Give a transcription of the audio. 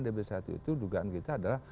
di b satu itu dugaan kita adalah